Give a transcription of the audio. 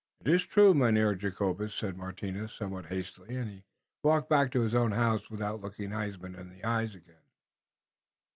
"It is true, Mynheer Jacobus," said Martinus somewhat hastily, and he walked back to his own house without looking Huysman in the eyes again.